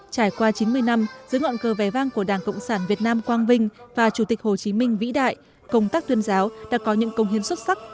trải qua chín mươi năm dưới ngọn cờ vẻ vang của đảng cộng sản việt nam quang vinh và chủ tịch hồ chí minh vĩ đại công tác tuyên giáo đã có những công hiến xuất sắc